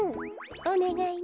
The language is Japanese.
おねがいね。